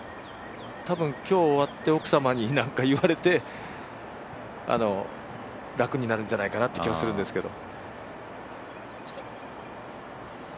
多分、今日終わって奥様に多分、何か言われて楽になるんじゃないかなっていう気がするんですけど。